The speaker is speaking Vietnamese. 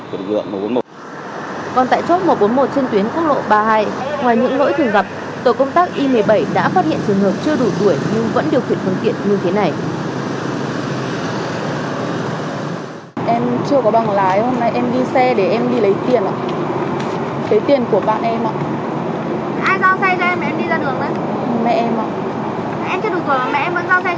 còn tại chốt một trăm bốn mươi một trên tuyến quốc lộ ba mươi hai ngoài những lỗi thường gặp tổ công tác y một mươi bảy đã phát hiện trường hợp chưa đủ tuổi nhưng vẫn điều khiển phương tiện như thế này